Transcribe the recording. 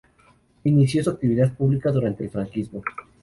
Inició su actividad pública durante el franquismo.